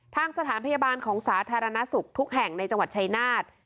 ทางสถานพยาบาลของสาธารณสุขทุกแห่งในจังหวัดชายนาฏ